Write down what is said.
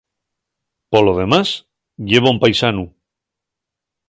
Polo demás, ye bon paisanu.